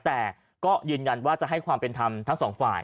แต่ก็ยืนยันว่าจะให้ความเป็นธรรมทั้งสองฝ่าย